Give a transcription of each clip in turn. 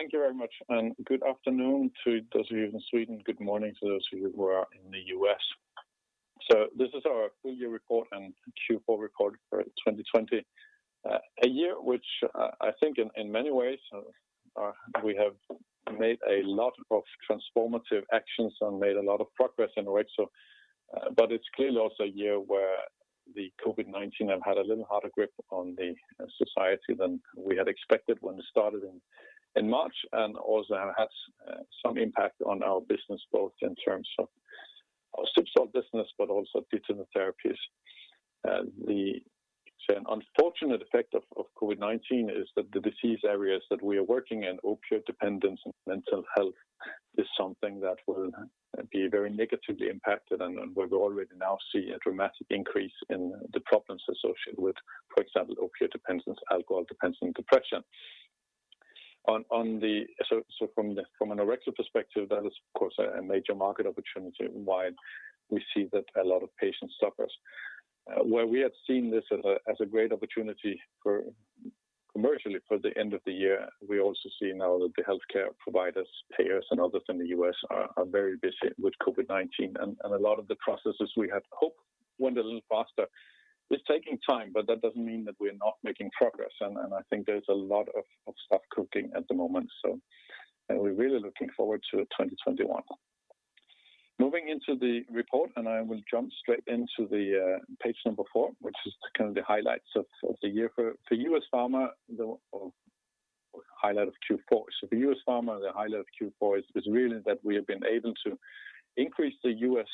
Thank you very much, and good afternoon to those of you in Sweden. Good morning to those who are in the U.S. This is our full year report and Q4 report for 2020. A year which I think in many ways, we have made a lot of transformative actions and made a lot of progress in Orexo. It's clearly also a year where the COVID-19 have had a little harder grip on the society than we had expected when it started in March, and also has some impact on our business, both in terms of our ZUBSOLV business, but also digital therapies. The unfortunate effect of COVID-19 is that the disease areas that we are working in, opiate dependence and mental health, is something that will be very negatively impacted and where we already now see a dramatic increase in the problems associated with, for example, opiate dependence, alcohol dependence, and depression. From an Orexo perspective, that is of course, a major market opportunity while we see that a lot of patients suffers. Where we had seen this as a great opportunity commercially for the end of the year, we also see now that the healthcare providers, payers, and others in the U.S. are very busy with COVID-19, and a lot of the processes we had hoped went a little faster. It's taking time. That doesn't mean that we're not making progress. I think there's a lot of stuff cooking at the moment. We're really looking forward to 2021. Moving into the report, I will jump straight into the page number four, which is kind of the highlights of the year. For U.S. Pharma, the highlight of Q4. The U.S. Pharma, the highlight of Q4 is really that we have been able to increase the U.S.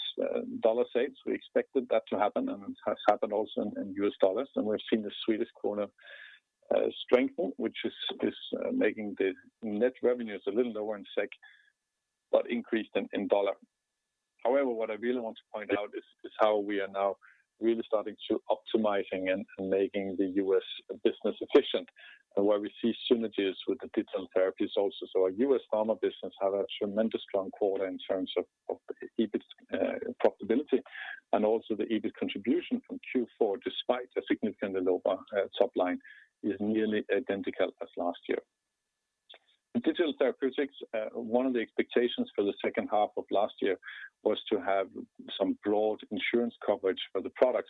dollar sales. We expected that to happen, and it has happened also in U.S. dollars, and we've seen the SEK strengthen, which is making the net revenues a little lower in SEK, but increased in U.S. dollars. However, what I really want to point out is how we are now really starting to optimizing and making the U.S. business efficient, and where we see synergies with the digital therapies also. Our U.S. pharma business had a tremendous strong quarter in terms of EBIT profitability, and also the EBIT contribution from Q4, despite a significantly lower top line, is nearly identical as last year. In digital therapeutics, one of the expectations for the second half of last year was to have some broad insurance coverage for the products.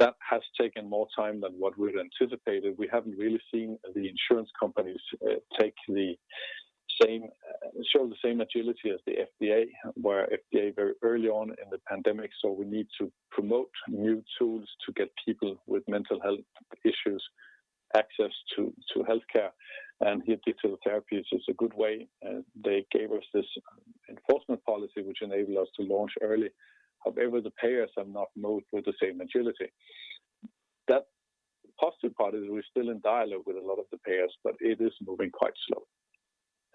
That has taken more time than what we'd anticipated. We haven't really seen the insurance companies show the same agility as the FDA, where FDA very early on in the pandemic saw we need to promote new tools to get people with mental health issues access to healthcare, and here digital therapeutics is a good way. They gave us this enforcement policy which enabled us to launch early. However, the payers have not moved with the same agility. The positive part is we're still in dialogue with a lot of the payers. It is moving quite slow.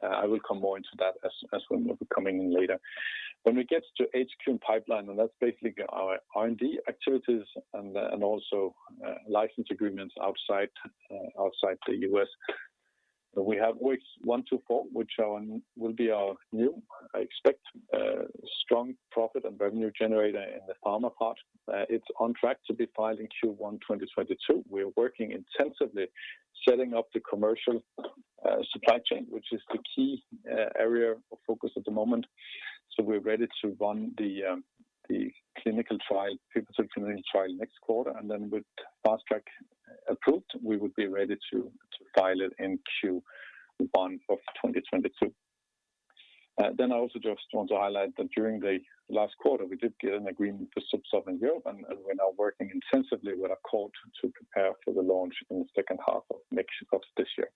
I will come more into that as we're coming later. When we get to HQ and pipeline, that's basically our R&D activities and also license agreements outside the U.S. We have OX124, which will be our new, I expect, strong profit and revenue generator in the pharma part. It's on track to be filed in Q1 2022. We are working intensively setting up the commercial supply chain, which is the key area of focus at the moment. We're ready to run the clinical trial next quarter. With Fast Track approved, we would be ready to file it in Q1 of 2022. I also just want to highlight that during the last quarter, we did get an agreement for ZUBSOLV in Europe, and we're now working intensively with our Accord Healthcare to prepare for the launch in the second half of this year.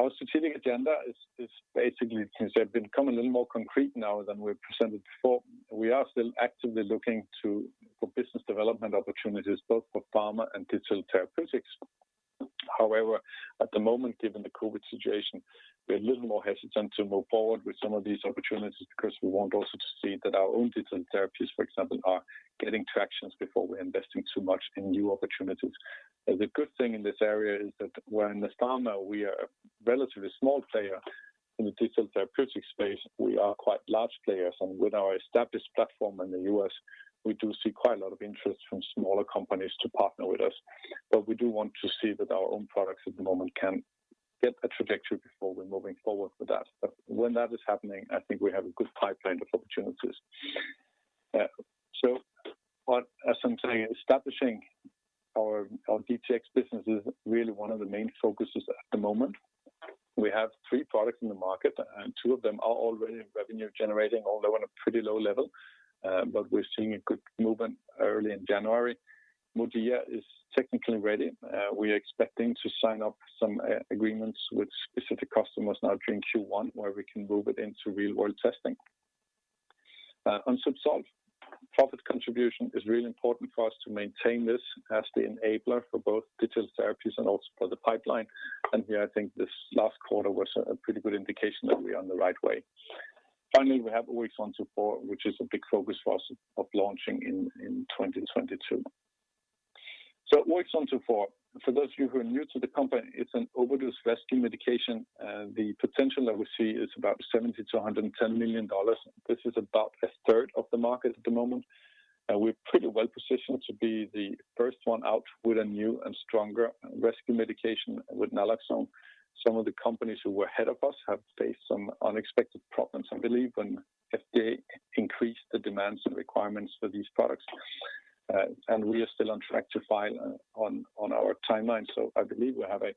Our strategic agenda is basically, since they've become a little more concrete now than we presented before, we are still actively looking for business development opportunities both for pharma and digital therapeutics. At the moment, given the COVID situation, we're a little more hesitant to move forward with some of these opportunities because we want also to see that our own digital therapies, for example, are getting traction before we're investing too much in new opportunities. The good thing in this area is that where in the pharma we are a relatively small player, in the digital therapeutics space, we are quite large players. With our established platform in the U.S., we do see quite a lot of interest from smaller companies to partner with us. We do want to see that our own products at the moment can get a trajectory before we're moving forward with that. When that is happening, I think we have a good pipeline of opportunities. As I'm saying, establishing our DTx business is really one of the main focuses at the moment. We have three products in the market, and two of them are already revenue generating, although on a pretty low level. We're seeing a good movement early in January. MODIA is technically ready. We are expecting to sign up some agreements with specific customers now during Q1, where we can move it into real-world testing. On ZUBSOLV, profit contribution is really important for us to maintain this as the enabler for both digital therapies and also for the pipeline. Here, I think this last quarter was a pretty good indication that we are on the right way. Finally, we have OX124, which is a big focus for us of launching in 2022. OX124, for those of you who are new to the company, it's an overdose rescue medication. The potential that we see is about $70 million-$110 million. This is about a third of the market at the moment. We're pretty well positioned to be the first one out with a new and stronger rescue medication with naloxone. Some of the companies who were ahead of us have faced some unexpected problems, I believe, when FDA increased the demands and requirements for these products. We are still on track to file on our timeline. I believe we have an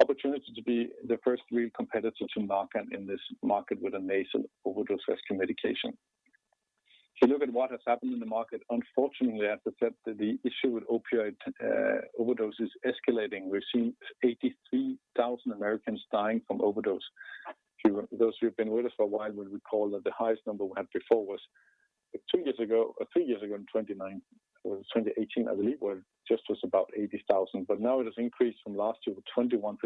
opportunity to be the first real competitor to Narcan in this market with a nasal overdose rescue medication. If you look at what has happened in the market, unfortunately, as I said, the issue with opioid overdose is escalating. We're seeing 83,000 Americans dying from overdose. Those who have been with us for a while will recall that the highest number we had before was two years ago, or three years ago in 2019 or 2018, I believe, where just was about 80,000. Now it has increased from last year with 21%,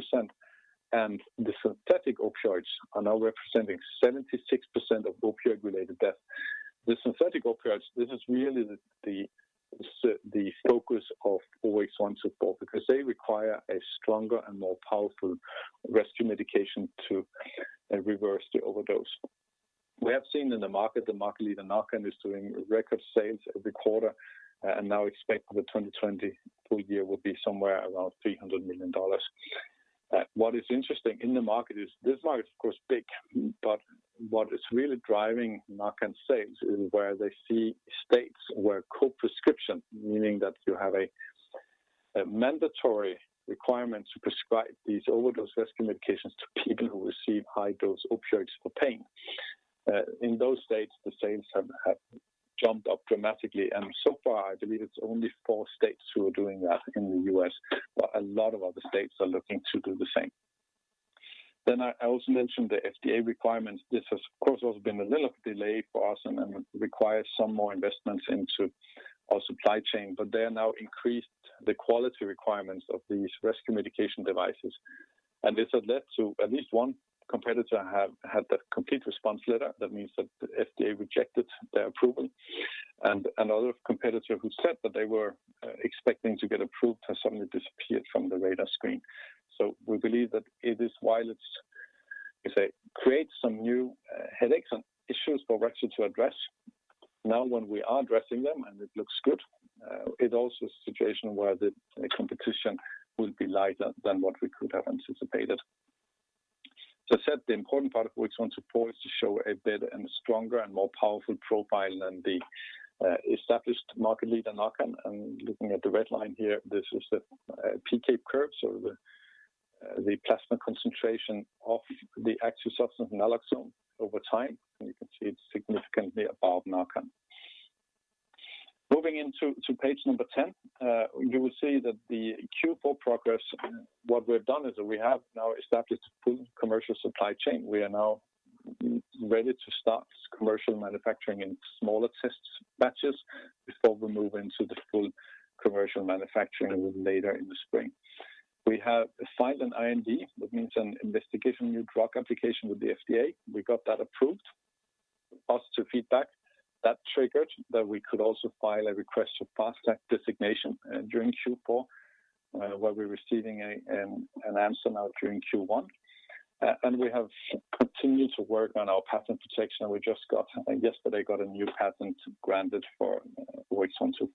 and the synthetic opioids are now representing 76% of opioid-related deaths. The synthetic opioids, this is really the focus of OX124 because they require a stronger and more powerful rescue medication to reverse the overdose. We have seen in the market, the market leader, Narcan, is doing record sales every quarter, and now expect the 2020 full year will be somewhere around $300 million. What is interesting in the market is this market is, of course, big, but what is really driving Narcan sales is where they see states where co-prescription, meaning that you have a mandatory requirement to prescribe these overdose rescue medications to people who receive high-dose opioids for pain. In those states, the sales have jumped up dramatically, and so far, I believe it's only four states who are doing that in the U.S., but a lot of other states are looking to do the same. I also mentioned the FDA requirements. This has, of course, also been a little delay for us and requires some more investments into our supply chain, but they have now increased the quality requirements of these rescue medication devices. This has led to at least one competitor have had the complete response letter. That means that the FDA rejected their approval. Another competitor who said that they were expecting to get approved has suddenly disappeared from the radar screen. We believe that it is while it's, create some new headaches and issues for Orexo to address, now when we are addressing them and it looks good, it also is a situation where the competition will be lighter than what we could have anticipated. As I said, the important part of OX124 is to show a better and stronger and more powerful profile than the established market leader, Narcan. Looking at the red line here, this is the PK curve, so the plasma concentration of the actual substance naloxone over time. You can see it's significantly above Narcan. Moving into page number 10, you will see that the Q4 progress, what we've done is that we have now established a full commercial supply chain. We are now ready to start commercial manufacturing in smaller test batches before we move into the full commercial manufacturing later in the spring. We have filed an IND, that means an investigation new drug application with the FDA. We got that approved. Positive feedback. That triggered that we could also file a request for Fast Track designation during Q4, where we're receiving an answer now during Q1. We have continued to work on our patent protection, and we just yesterday got a new patent granted for OX12.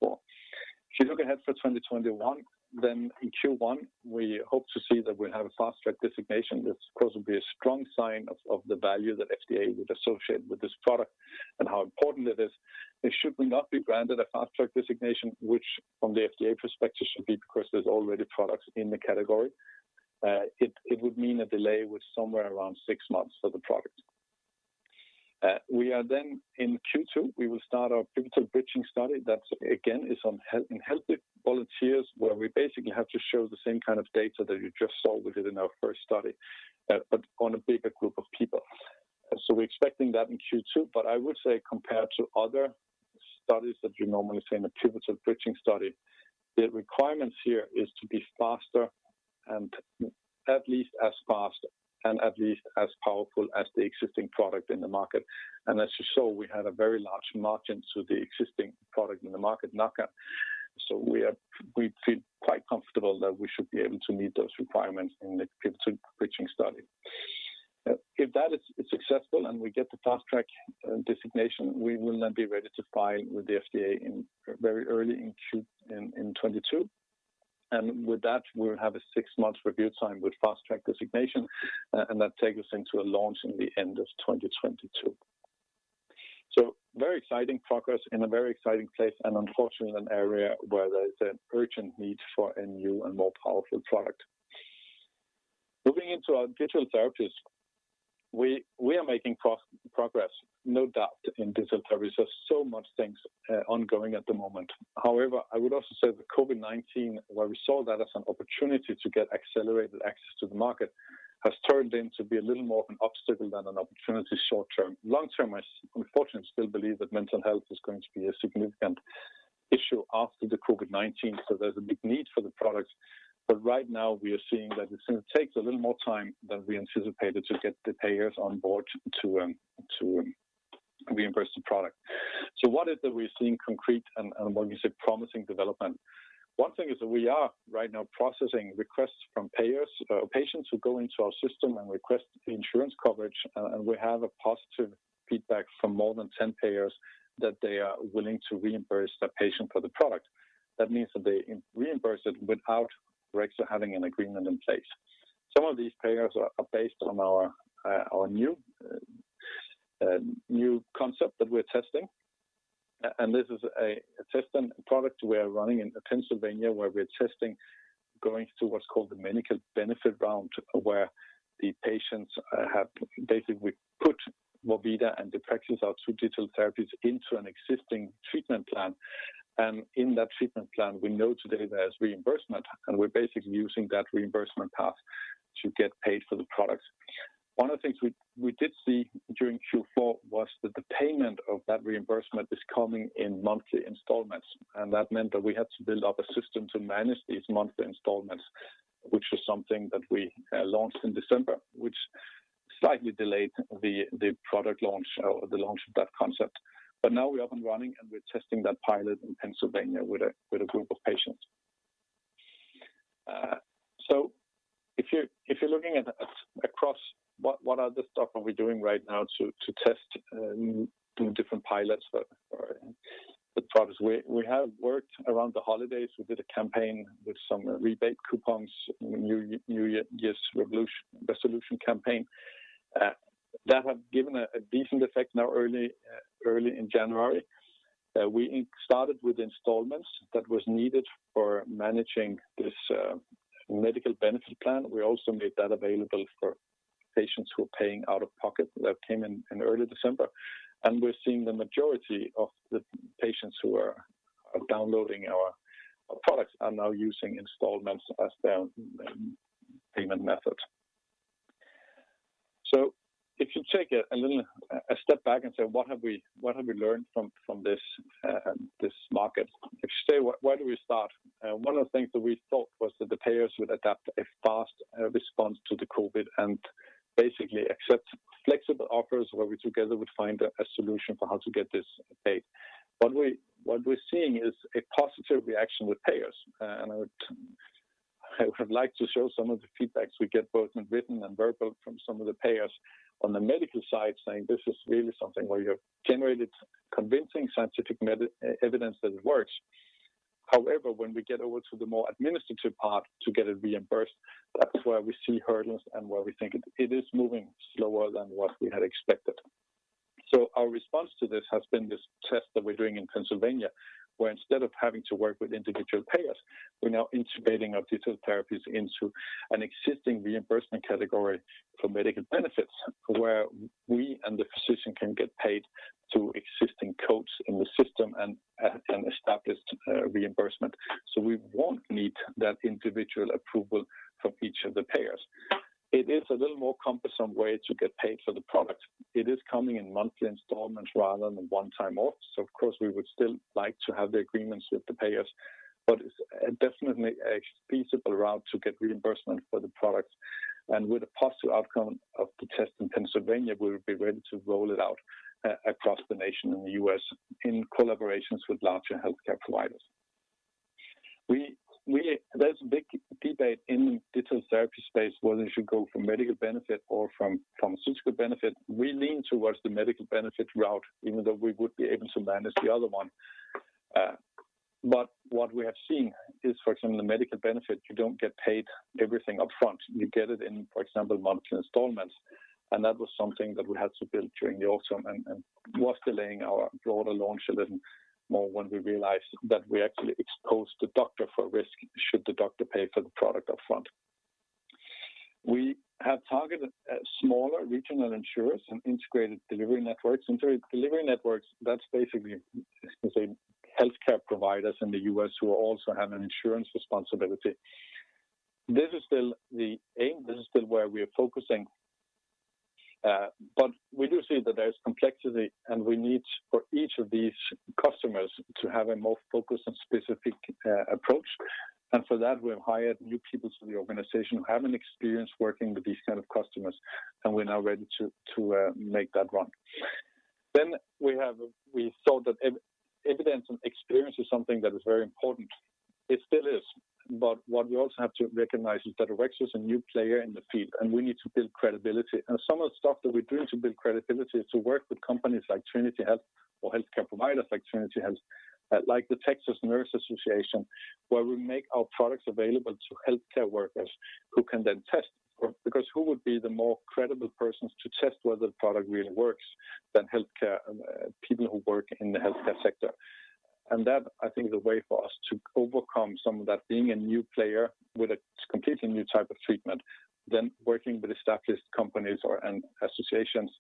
If you look ahead for 2021, in Q1, we hope to see that we'll have a Fast Track designation, which of course, will be a strong sign of the value that FDA would associate with this product and how important it is. If should we not be granted a Fast Track designation, which from the FDA perspective should be because there's already products in the category, it would mean a delay with somewhere around six months for the product. We are in Q2, we will start our pivotal bridging study that, again, is in healthy volunteers where we basically have to show the same kind of data that you just saw we did in our first study but on a bigger group of people. We're expecting that in Q2, but I would say compared to other studies that you normally see in a pivotal bridging study, the requirements here is to be faster and at least as fast and at least as powerful as the existing product in the market. As you saw, we had a very large margin to the existing product in the market, Narcan. We feel quite comfortable that we should be able to meet those requirements in the pivotal bridging study. If that is successful and we get the Fast Track designation, we will then be ready to file with the FDA very early in 2022. With that, we'll have a six-month review time with Fast Track designation, and that takes us into a launch in the end of 2022. Very exciting progress in a very exciting place, and unfortunately, an area where there is an urgent need for a new and more powerful product. Moving into our digital therapies, we are making progress, no doubt, in digital therapies. There's so much things ongoing at the moment. However, I would also say that COVID-19, where we saw that as an opportunity to get accelerated access to the market, has turned in to be a little more of an obstacle than an opportunity short-term. Long-term, I unfortunately still believe that mental health is going to be a significant issue after the COVID-19, so there's a big need for the products. Right now, we are seeing that it's going to take a little more time than we anticipated to get the payers on board to reimburse the product. What is it that we're seeing concrete and what we see promising development. One thing is that we are right now processing requests from payers. Patients who go into our system and request insurance coverage, and we have a positive feedback from more than 10 payers that they are willing to reimburse the patient for the product. That means that they reimburse it without Orexo having an agreement in place. Some of these payers are based on our new concept that we're testing, and this is a system and product we are running in Pennsylvania, where we're testing going to what's called the medical benefit round, where the patients have basically put MODIA and deprexis, our two digital therapies, into an existing treatment plan. In that treatment plan, we know today there's reimbursement, and we're basically using that reimbursement path to get paid for the products. One of the things we did see during Q4 was that the payment of that reimbursement is coming in monthly installments. That meant that we had to build up a system to manage these monthly installments, which was something that we launched in December, which slightly delayed the product launch or the launch of that concept. Now we're up and running, and we're testing that pilot in Pennsylvania with a group of patients. If you're looking at across, what other stuff are we doing right now to test different pilots or the products? We have worked around the holidays. We did a campaign with some rebate coupons, New Year's resolution campaign, that have given a decent effect now early in January. We started with installments that was needed for managing this medical benefit plan. We also made that available for patients who are paying out of pocket. That came in in early December. We're seeing the majority of the patients who are downloading our products are now using installments as their payment method. If you take a step back and say, "What have we learned from this market?" If you say, "Where do we start?" One of the things that we thought was that the payers would adapt a fast response to the COVID-19 and basically accept flexible offers where we together would find a solution for how to get this paid. What we're seeing is a positive reaction with payers, and I would like to show some of the feedbacks we get, both in written and verbal from some of the payers on the medical side saying, "This is really something where you have generated convincing scientific evidence that it works. When we get over to the more administrative part to get it reimbursed, that's where we see hurdles and where we think it is moving slower than what we had expected. Our response to this has been this test that we're doing in Pennsylvania, where instead of having to work with individual payers, we're now integrating our digital therapies into an existing reimbursement category for medical benefits, where we and the physician can get paid through existing codes in the system and established reimbursement. We won't need that individual approval from each of the payers. It is a little more cumbersome way to get paid for the product. It is coming in monthly installments rather than one time off. Of course, we would still like to have the agreements with the payers, but it's definitely a feasible route to get reimbursement for the products. With a positive outcome of the test in Pennsylvania, we'll be ready to roll it out across the nation in the U.S. in collaborations with larger healthcare providers. There's a big debate in digital therapy space whether it should go for medical benefit or from pharmaceutical benefit. We lean towards the medical benefit route, even though we would be able to manage the other one. What we have seen is, for example, the medical benefit, you don't get paid everything up front. You get it in, for example, monthly installments, and that was something that we had to build during the autumn, and was delaying our broader launch a little more when we realized that we actually exposed the doctor for risk, should the doctor pay for the product up front. We have targeted smaller regional insurers and integrated delivery networks. Integrated delivery networks, that's basically, you can say, healthcare providers in the U.S. who also have an insurance responsibility. This is still the aim. This is still where we are focusing. We do see that there's complexity, and we need for each of these customers to have a more focused and specific approach. For that, we have hired new people to the organization who have an experience working with these kind of customers, and we're now ready to make that run. We thought that evidence and experience is something that is very important. It still is. What we also have to recognize is that Orexo is a new player in the field, and we need to build credibility. Some of the stuff that we do to build credibility is to work with companies like Trinity Health or healthcare providers like Trinity Health, like the Texas Nurses Association, where we make our products available to healthcare workers who can then test. Because who would be the more credible persons to test whether the product really works than healthcare people who work in the healthcare sector? That, I think, is a way for us to overcome some of that being a new player with a completely new type of treatment, than working with established companies or associations,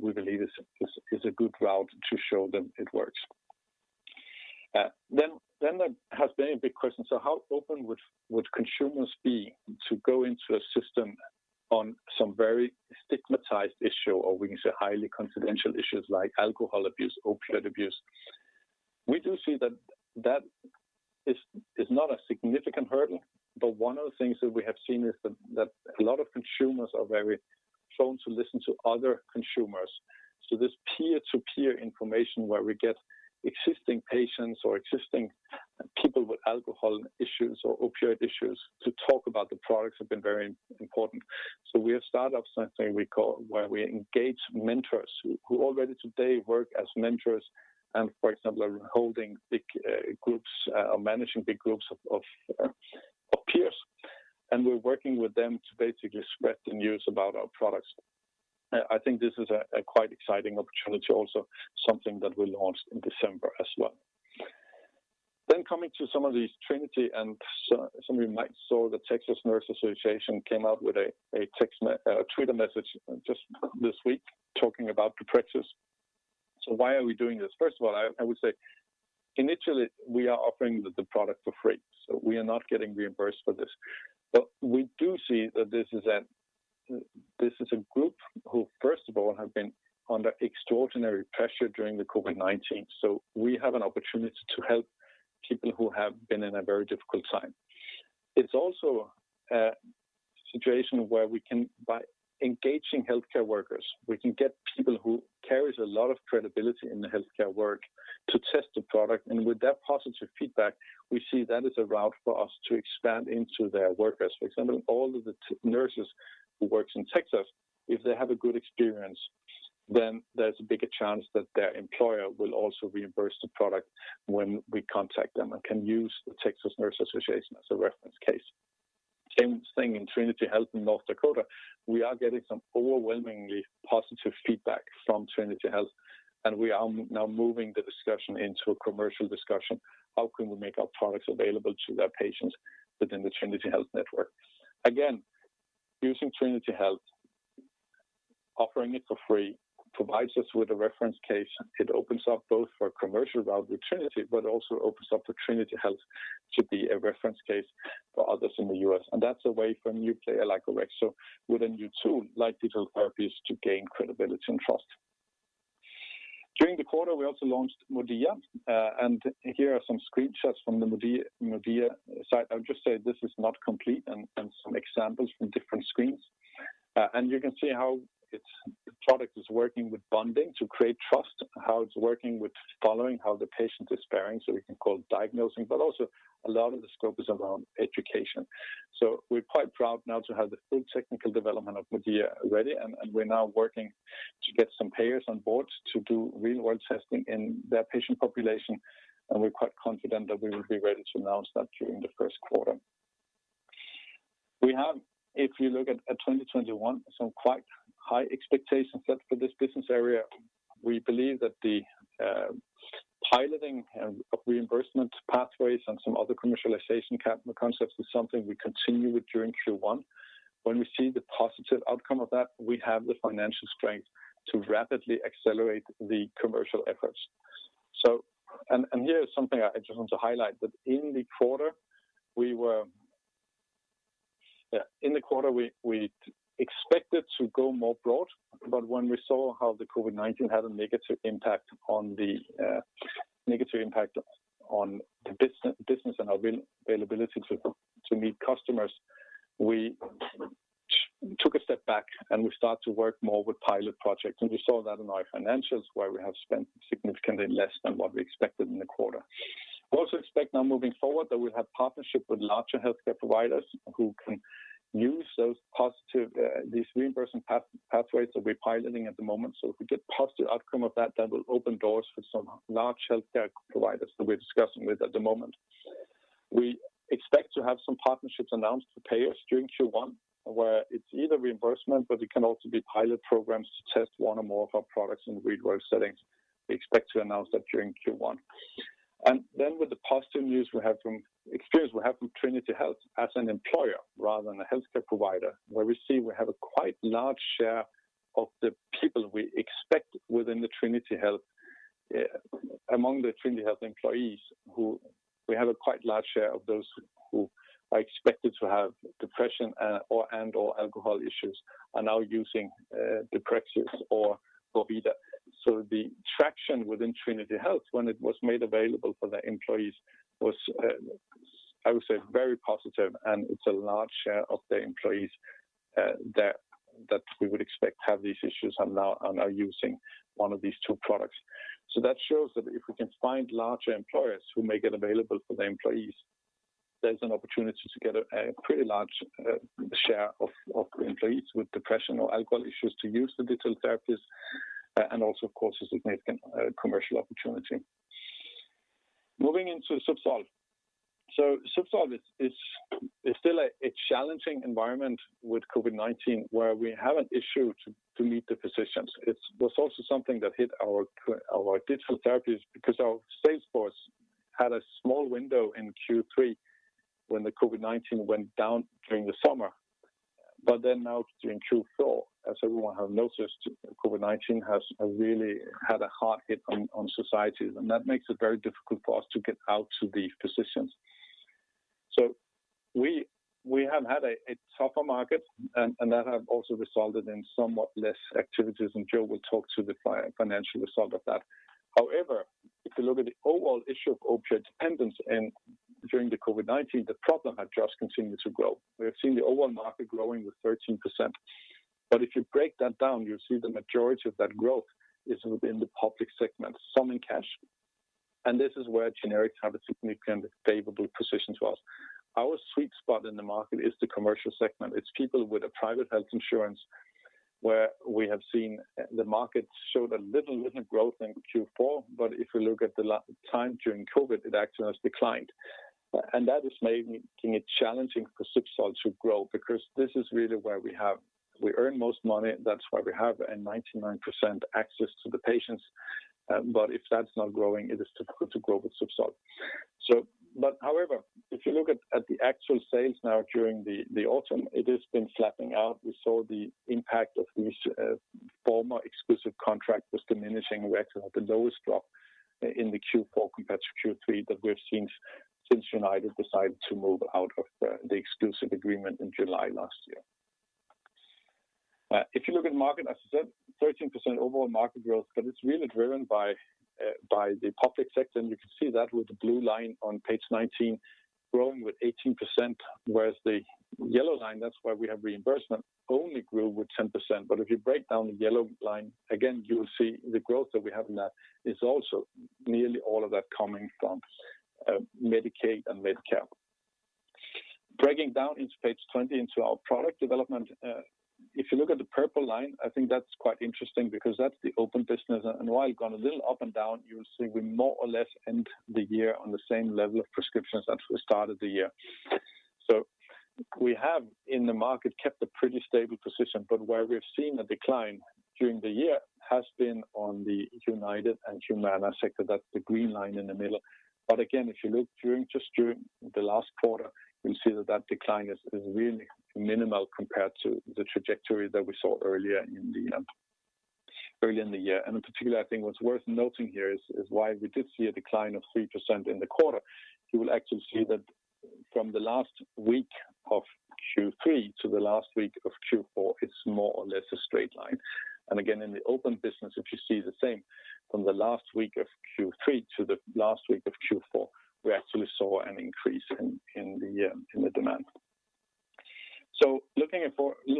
we believe is a good route to show that it works. There has been a big question, so how open would consumers be to go into a system on some very stigmatized issue, or we can say highly confidential issues like alcohol abuse, opiate abuse? We do see that that is not a significant hurdle, but one of the things that we have seen is that a lot of consumers are very prone to listen to other consumers. This peer-to-peer information where we get existing patients or existing people with alcohol issues or opioid issues to talk about the products have been very important. we have startups, something we call where we engage mentors who already today work as mentors and, for example, are holding big groups or managing big groups of peers. We're working with them to basically spread the news about our products. I think this is a quite exciting opportunity, also something that we launched in December as well. Coming to some of these Trinity, and some of you might saw the Texas Nurses Association came out with a Twitter message just this week talking about deprexis. Why are we doing this? First of all, I would say initially we are offering the product for free, we are not getting reimbursed for this. We do see that this is a group who, first of all, have been under extraordinary pressure during the COVID-19. We have an opportunity to help people who have been in a very difficult time. It's also a situation where we can, by engaging healthcare workers, we can get people who carries a lot of credibility in the healthcare work to test the product. With that positive feedback, we see that as a route for us to expand into their workers. For example, all of the nurses who works in Texas, if they have a good experience, there's a bigger chance that their employer will also reimburse the product when we contact them and can use the Texas Nurses Association as a reference case. Same thing in Trinity Health in North Dakota. We are getting some overwhelmingly positive feedback from Trinity Health, we are now moving the discussion into a commercial discussion. How can we make our products available to their patients within the Trinity Health network? Again, using Trinity Health, offering it for free provides us with a reference case. It opens up both for commercial value, Trinity, also opens up for Trinity Health to be a reference case for others in the U.S. That's a way for a new player like Orexo within new tool-like digital therapies to gain credibility and trust. During the quarter, we also launched MODIA, and here are some screenshots from the MODIA site. I'll just say this is not complete and some examples from different screens. You can see how the product is working with bonding to create trust, how it's working with following how the patient is faring, so we can call diagnosing, but also a lot of the scope is around education. We're quite proud now to have the full technical development of MODIA ready, and we're now working to get some payers on board to do real-world testing in their patient population, and we're quite confident that we will be ready to announce that during the first quarter. We have, if you look at 2021, some quite high expectations set for this business area. We believe that the piloting of reimbursement pathways and some other commercialization concepts is something we continue with during Q1. When we see the positive outcome of that, we have the financial strength to rapidly accelerate the commercial efforts. Here is something I just want to highlight, that in the quarter, we expected to go more broad, but when we saw how the COVID-19 had a negative impact on the business and our availability to meet customers, we took a step back and we start to work more with pilot projects. We saw that in our financials, where we have spent significantly less than what we expected in the quarter. We also expect now moving forward that we'll have partnership with larger healthcare providers who can use these reimbursement pathways that we're piloting at the moment. If we get positive outcome of that will open doors for some large healthcare providers that we're discussing with at the moment. We expect to have some partnerships announced to payers during Q1, where it's either reimbursement, but it can also be pilot programs to test one or more of our products in real-world settings. We expect to announce that during Q1. With the positive news we have from experience we have from Trinity Health as an employer rather than a healthcare provider, where we see we have a quite large share of the people we expect within the Trinity Health, among the Trinity Health employees who we have a quite large share of those who are expected to have depression and/or alcohol issues are now using deprexis or vorvida. The traction within Trinity Health when it was made available for their employees was, I would say, very positive, and it's a large share of their employees that we would expect have these issues and are now using one of these two products. That shows that if we can find larger employers who make it available for their employees, there's an opportunity to get a pretty large share of employees with depression or alcohol issues to use the digital therapies and also, of course, a significant commercial opportunity. Moving into ZUBSOLV. ZUBSOLV is still a challenging environment with COVID-19, where we have an issue to meet the physicians. It was also something that hit our digital therapies because our sales force had a small window in Q3 when the COVID-19 went down during the summer. Now during Q4, as everyone have noticed, COVID-19 has really had a hard hit on societies, and that makes it very difficult for us to get out to these physicians. We have had a tougher market, and that have also resulted in somewhat less activities, and Joe will talk to the financial result of that. If you look at the overall issue of opioid dependence. During the COVID-19, the problem had just continued to grow. We have seen the overall market growing with 13%. If you break that down, you'll see the majority of that growth is within the public segment, some in cash. This is where generics have a significant favorable position to us. Our sweet spot in the market is the commercial segment. It's people with a private health insurance, where we have seen the market showed a little growth in Q4. If you look at the time during COVID, it actually has declined. That is making it challenging for ZUBSOLV to grow because this is really where we earn the most money, that's why we have a 99% access to the patients. If that's not growing, it is difficult to grow with ZUBSOLV. However, if you look at the actual sales now during the autumn, it has been flattening out. We saw the impact of these former exclusive contract was diminishing. We actually had the lowest drop in the Q4 compared to Q3 that we've seen since United decided to move out of the exclusive agreement in July last year. If you look at market, as I said, 13% overall market growth, but it's really driven by the public sector, and you can see that with the blue line on page 19 growing with 18%, whereas the yellow line, that's where we have reimbursement, only grew with 10%. If you break down the yellow line, again, you'll see the growth that we have in that is also nearly all of that coming from Medicaid and Medicare. Breaking down into page 20 into our product development. If you look at the purple line, I think that's quite interesting because that's the open business, and while it gone a little up and down, you'll see we more or less end the year on the same level of prescriptions as we started the year. We have, in the market, kept a pretty stable position, but where we've seen a decline during the year has been on the United and Humana sector. That's the green line in the middle. Again, if you look just during the last quarter, you'll see that decline is really minimal compared to the trajectory that we saw earlier in the year. In particular, I think what's worth noting here is while we did see a decline of 3% in the quarter, you will actually see that from the last week of Q3 to the last week of Q4, it's more or less a straight line. Again, in the open business, if you see the same from the last week of Q3 to the last week of Q4, we actually saw an increase in the demand. Looking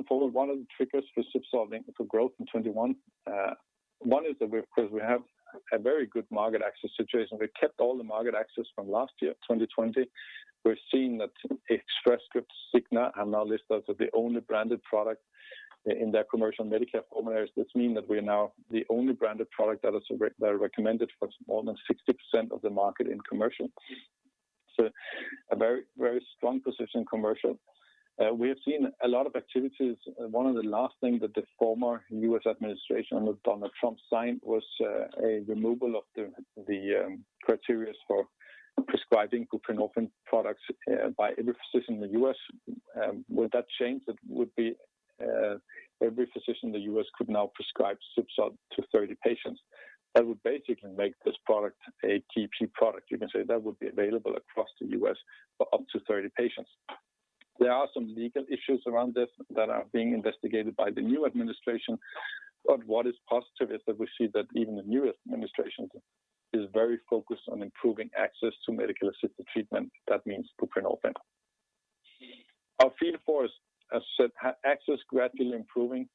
forward, one of the triggers for ZUBSOLV for growth in 2021, one is that because we have a very good market access situation, we kept all the market access from last year, 2020. We're seeing that Express Scripts/Cigna have now listed us as the only branded product in their commercial Medicare formularies. This mean that we are now the only branded product that are recommended for more than 60% of the market in commercial. A very strong position in commercial. We have seen a lot of activities. One of the last things that the former U.S. administration under Donald Trump signed was a removal of the criterias for prescribing buprenorphine products by every physician in the U.S. With that change, every physician in the U.S. could now prescribe ZUBSOLV to 30 patients. That would basically make this product a TIP 63. You can say that would be available across the U.S. for up to 30 patients. There are some legal issues around this that are being investigated by the new administration. What is positive is that we see that even the new administration is very focused on improving access to medication-assisted treatment. That means buprenorphine. Our field force, as I said, access gradually improving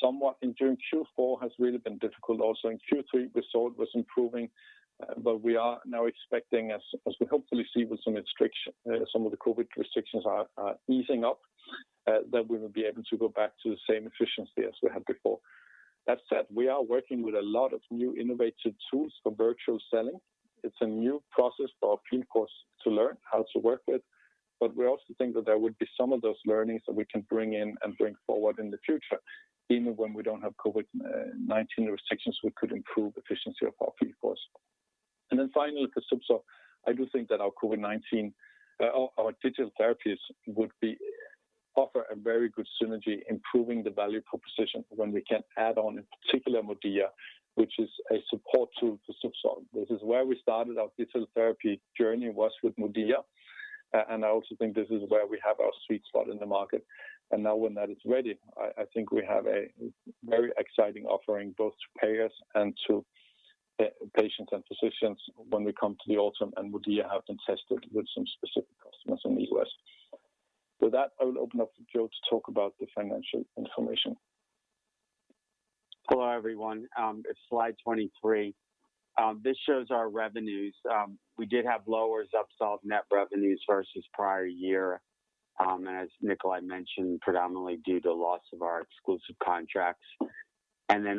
somewhat. During Q4 has really been difficult also. In Q3, we saw it was improving, but we are now expecting, as we hopefully see with some of the COVID-19 restrictions are easing up, that we will be able to go back to the same efficiency as we had before. That said, we are working with a lot of new innovative tools for virtual selling. It's a new process for our field force to learn how to work with, but we also think that there would be some of those learnings that we can bring in and bring forward in the future, even when we don't have COVID-19 restrictions, we could improve efficiency of our field force. Finally, for ZUBSOLV, I do think that our digital therapies would offer a very good synergy, improving the value proposition when we can add on, in particular, MODIA, which is a support tool to ZUBSOLV. This is where we started our digital therapy journey was with MODIA, and I also think this is where we have our sweet spot in the market. Now when that is ready, I think we have a very exciting offering both to payers and to patients and physicians when we come to the autumn. MODIA has been tested with some specific customers in the U.S. With that, I will open up for Joe to talk about the financial information. Hello, everyone. It's slide 23. This shows our revenues. We did have lower ZUBSOLV net revenues versus prior year, as Nikolaj mentioned, predominantly due to loss of our exclusive contracts.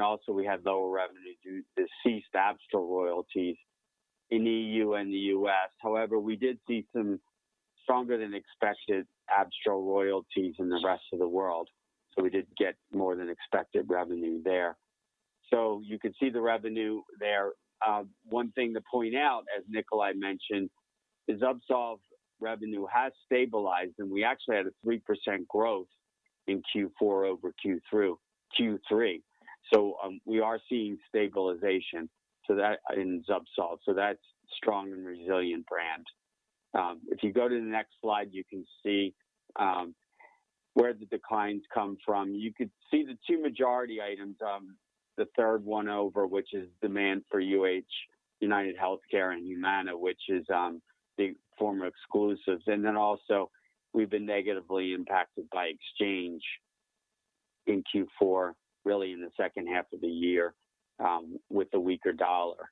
Also, we had lower revenue due to ceased Abstral royalties in EU and the U.S. However, we did see some stronger than expected Abstral royalties in the rest of the world, so we did get more than expected revenue there. You can see the revenue there. One thing to point out, as Nikolaj mentioned, is ZUBSOLV revenue has stabilized, and we actually had a 3% growth in Q4 over Q3. We are seeing stabilization in ZUBSOLV. That's strong and resilient brand. If you go to the next slide, you can see where the declines come from. You could see the two majority items, the third one over, which is demand for UnitedHealthcare and Humana, which is the former exclusives. Also, we’ve been negatively impacted by exchange in Q4, really in the second half of the year with the weaker dollar.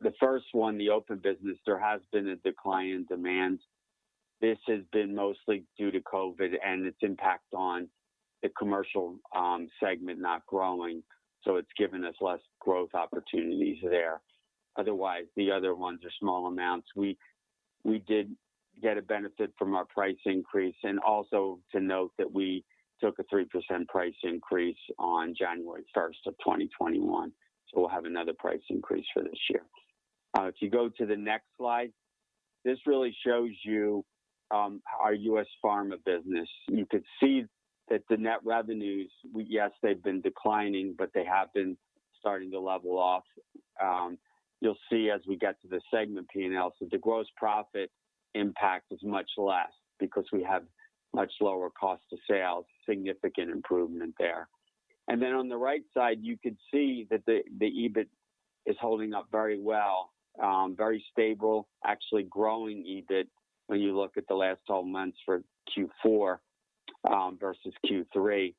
The first one, the open business, there has been a decline in demand. This has been mostly due to COVID and its impact on the commercial segment not growing. It’s given us less growth opportunities there. Otherwise, the other ones are small amounts. We did get a benefit from our price increase, and also to note that we took a 3% price increase on January 1st of 2021. We’ll have another price increase for this year. If you go to the next slide, this really shows you our U.S. pharma business. You could see that the net revenues, yes, they've been declining, but they have been starting to level off. You'll see as we get to the segment P&L, the gross profit impact is much less because we have much lower cost of sales, significant improvement there. On the right side, you could see that the EBIT is holding up very well. Very stable, actually growing EBIT when you look at the last 12 months for Q4 versus Q3,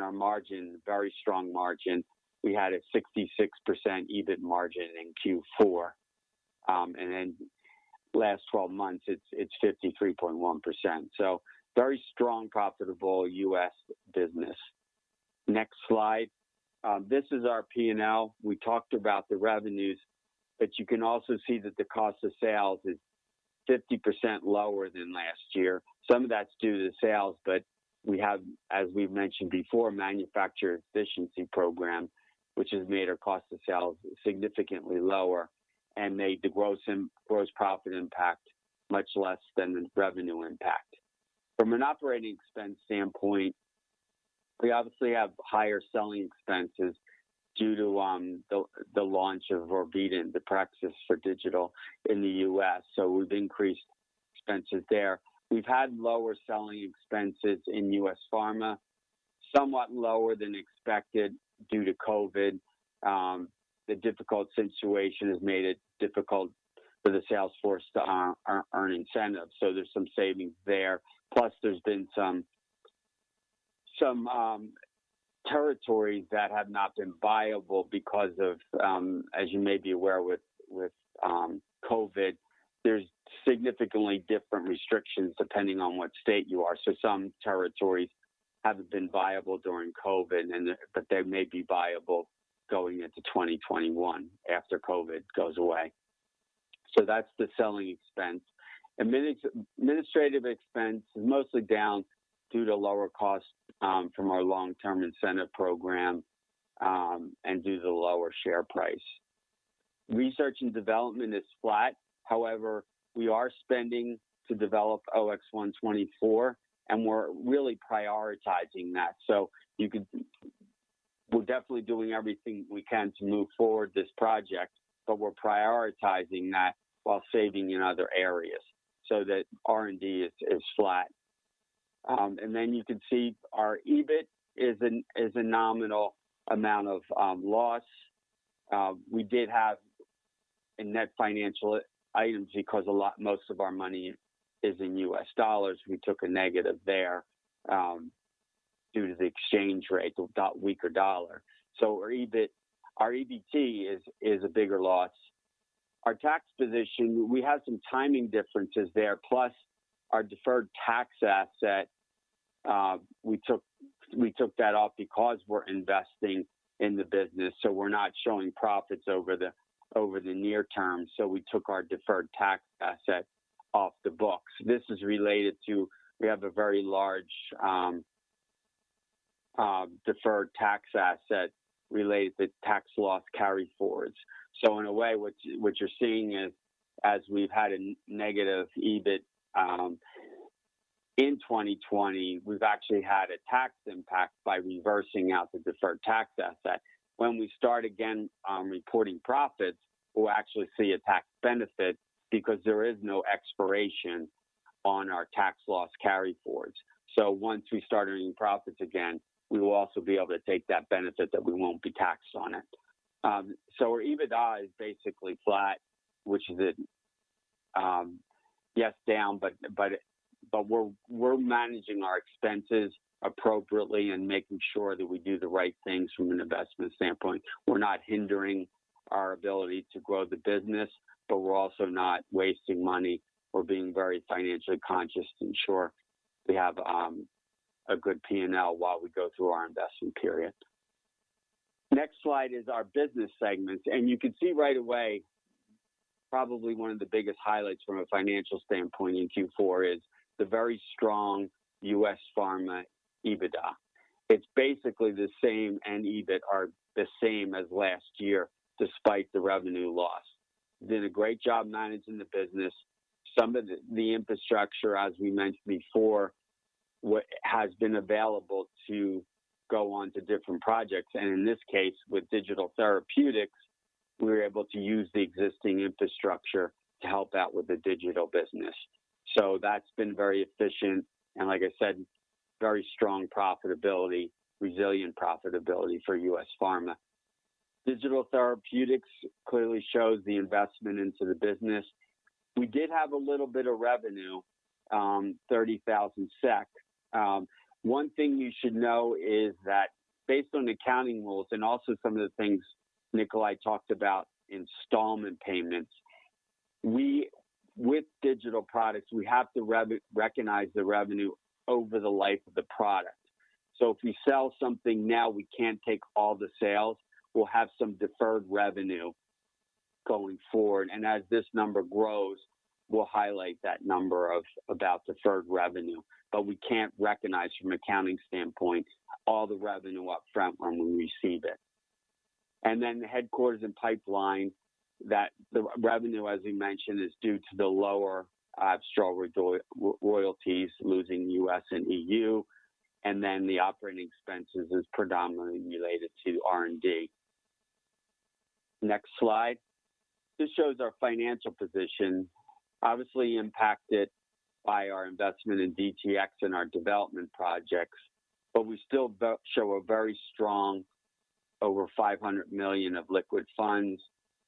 our margin, very strong margin. We had a 66% EBIT margin in Q4. Last 12 months, it's 53.1%. Very strong, profitable U.S. business. Next slide. This is our P&L. We talked about the revenues, you can also see that the cost of sales is 50% lower than last year. Some of that's due to sales, but we have, as we've mentioned before, manufacturer efficiency program, which has made our cost of sales significantly lower and made the gross profit impact much less than the revenue impact. From an operating expense standpoint, we obviously have higher selling expenses due to the launch of uncertain for digital in the U.S. We've increased expenses there. We've had lower selling expenses in U.S. pharma, somewhat lower than expected due to COVID. The difficult situation has made it difficult for the sales force to earn incentives. There's some savings there. There's been some territories that have not been viable because of, as you may be aware with COVID, there's significantly different restrictions depending on what state you are. Some territories haven't been viable during COVID, but they may be viable going into 2021 after COVID goes away. That's the selling expense. Administrative expense is mostly down due to lower costs from our long-term incentive program and due to the lower share price. Research and development is flat. We are spending to develop OX124, and we're really prioritizing that. We're definitely doing everything we can to move forward this project, but we're prioritizing that while saving in other areas so that R&D is flat. You can see our EBIT is a nominal amount of loss. We did have a net financial item because most of our money is in U.S. dollars. We took a negative there due to the exchange rate, the weaker dollar. Our EBIT is a bigger loss. Our tax position, we had some timing differences there, plus our deferred tax asset, we took that off because we're investing in the business. We're not showing profits over the near term. We took our deferred tax asset off the books. This is related to, we have a very large deferred tax asset related to tax loss carryforwards. In a way, what you're seeing is as we've had a negative EBIT in 2020, we've actually had a tax impact by reversing out the deferred tax asset. When we start again reporting profits, we'll actually see a tax benefit because there is no expiration on our tax loss carryforwards. Once we start earning profits again, we will also be able to take that benefit that we won't be taxed on it. Our EBITDA is basically flat, which is, yes, down, but we're managing our expenses appropriately and making sure that we do the right things from an investment standpoint. We're not hindering our ability to grow the business, but we're also not wasting money. We're being very financially conscious to ensure we have a good P&L while we go through our investment period. Next slide is our business segments. You can see right away probably one of the biggest highlights from a financial standpoint in Q4 is the very strong U.S. Pharma EBITDA. It's basically the same, and EBIT are the same as last year despite the revenue loss. We did a great job managing the business. Some of the infrastructure, as we mentioned before, has been available to go on to different projects. In this case, with digital therapeutics. We were able to use the existing infrastructure to help out with the digital business. That's been very efficient and like I said, very strong profitability, resilient profitability for U.S. Pharma. Digital therapeutics clearly shows the investment into the business. We did have a little bit of revenue, 30,000 SEK. One thing you should know is that based on accounting rules and also some of the things Nikolaj talked about, installment payments. If we sell something now, we can't take all the sales. We'll have some deferred revenue going forward, and as this number grows, we'll highlight that number of about deferred revenue. We can't recognize from an accounting standpoint, all the revenue up front when we receive it. Then the headquarters and pipeline, the revenue, as we mentioned, is due to the lower Abstral royalties losing U.S. and E.U., and then the operating expenses is predominantly related to R&D. Next slide. This shows our financial position obviously impacted by our investment in DTx and our development projects. We still show a very strong over 500 million of liquid funds,